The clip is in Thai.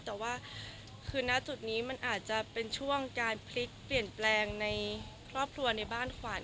แต่ว่าคือณจุดนี้มันอาจจะเป็นช่วงการพลิกเปลี่ยนแปลงในครอบครัวในบ้านขวัญ